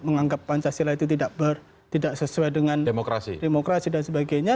menganggap pancasila itu tidak sesuai dengan demokrasi dan sebagainya